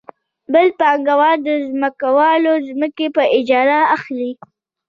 بل پانګوال د ځمکوال ځمکې په اجاره اخلي